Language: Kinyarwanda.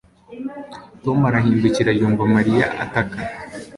Tom arahindukira yumva Mariya ataka